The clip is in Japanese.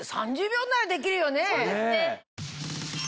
３０秒ならできるよね！